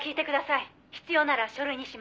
必要なら書類にします」